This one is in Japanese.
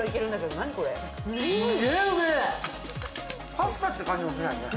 パスタって感じもしないね。